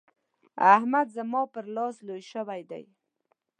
احمد زما پر لاس لوی شوی دی.